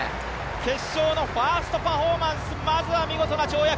決勝のファーストパフォーマンス、まずは見事な跳躍！